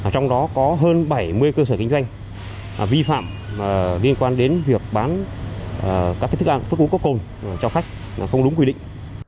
trong đó có hơn bảy mươi cơ sở kinh doanh vi phạm liên quan đến việc bán các thức ăn thức uống có cồn cho khách không đúng quy định